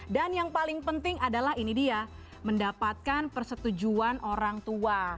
dan yang paling penting adalah ini dia mendapatkan persetujuan orang tua